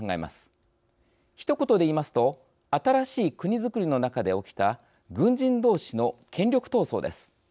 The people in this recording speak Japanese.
ひと言で言いますと新しい国づくりの中で起きた軍人同士の権力闘争です。